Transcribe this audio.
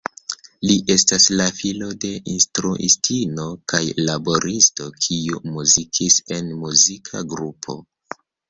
Li estas la filo de instruistino kaj laboristo kiu muzikis en muzika grupo.